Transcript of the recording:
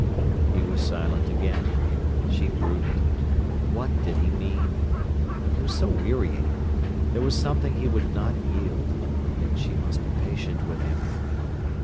He was silent again. She brooded. What did he mean? He was so wearying. There was something he would not yield. Yet she must be patient with him.